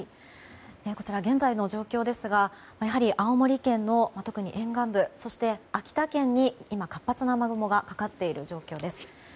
こちら、現在の状況ですがやはり、青森県の沿岸部そして秋田県に活発な雨雲がかかっている状況です。